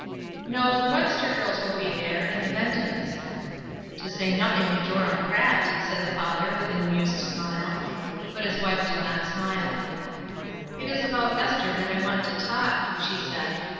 "No, the Webster girls wUl be there, and the ^Cly nothing of Joram Pratt," said the father, with an amused smile. But his wife did not smile. ,,„ "It is about Esther that I want to talk, .he said.